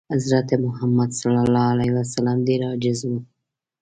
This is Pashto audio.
حضرت محمد ﷺ ډېر عاجز و.